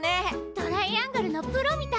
トライアングルのプロみたい。